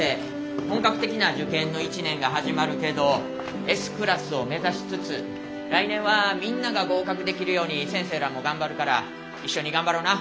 本格的な受験の一年が始まるけどＳクラスを目指しつつ来年はみんなが合格できるように先生らも頑張るから一緒に頑張ろな。